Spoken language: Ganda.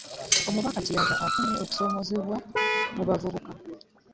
Omubaka Kiyaga afunye okusoomoozebwa mu bavubuka